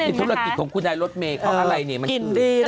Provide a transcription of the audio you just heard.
เป็นธุรกิจของกุญแจรสเมย์เพราะอะไรนี่มันคือกินดีนะเถอะ